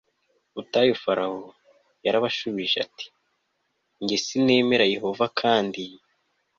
butayu Farawo yarabashubije ati jye sinemera Yehova Kandi